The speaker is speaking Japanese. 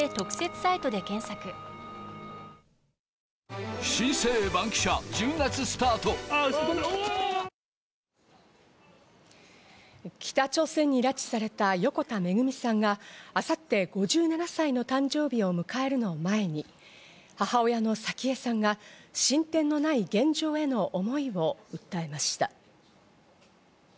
中国と台湾をめぐっては、北朝鮮に拉致された横田めぐみさんが明後日５７歳の誕生日を迎えるのを前に、母親の早紀江さんが進展のない現状への思いを訴えました。